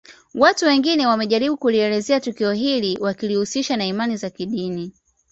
Watu wengine wamejaribu kulielezea tukio hili wakilihusisha na imani za kidini